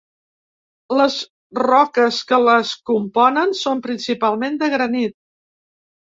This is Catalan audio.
Les roques que les componen són principalment de granit.